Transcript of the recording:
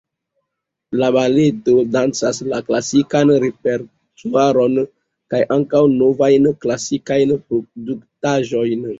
La baleto dancas la klasikan repertuaron kaj ankaŭ novajn klasikajn produktaĵojn.